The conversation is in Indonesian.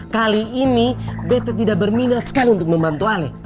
kali ini beta tidak berminat sekali untuk membantu ali